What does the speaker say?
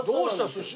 寿司